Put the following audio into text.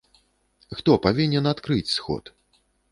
Хто павінен адкрыць сход?